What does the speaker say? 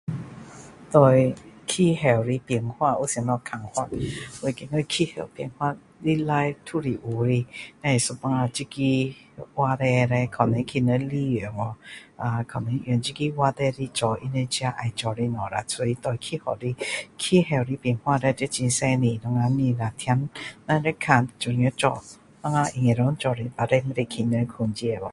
对气候的变化有什么看法我觉得气候的变化本来都有的只是有时候这个话题被人利用去可能用这个话题来做他们自己要做的东西啦所以对气候的变化叻要很小心我们不能只听我们要看我们应该做的不要被人控制去